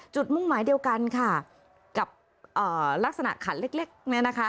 จุดมุ่งหมายเดียวกันค่ะกับลักษณะขันเล็กเนี่ยนะคะ